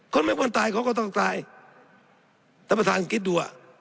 คนไม่ควรตายเขาก็ต้องตายท่านประธานคิดดูอ่ะ